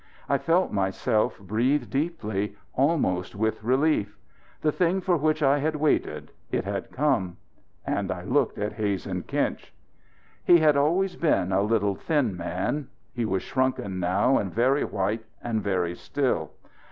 I felt myself breathe deeply, almost with relief. The thing for which I had waited it had come. And I looked at Hazen Kinch. He had always been a little thin man. He was shrunken now and very white and very still.